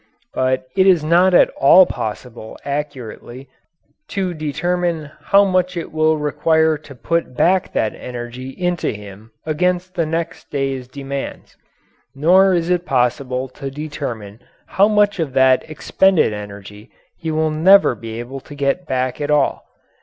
But it is not at all possible accurately to determine how much it will require to put back that energy into him against the next day's demands. Nor is it possible to determine how much of that expended energy he will never be able to get back at all.